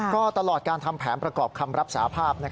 ก็ตลอดการทำแผนประกอบคำรับสาภาพ